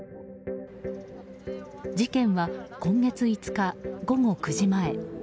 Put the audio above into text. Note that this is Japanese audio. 事件は今月５日、午後９時前。